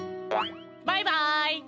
バイバイ！